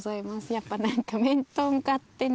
やっぱりなんか面と向かってね。